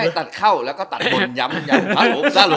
ตัดเข้าแล้วก็ตัดดูนย้ำ